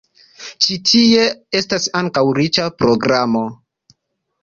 Ĉi tie estas ankaŭ riĉa programo.